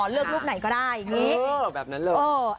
เลือกรูปไหนก็ได้อย่างนี้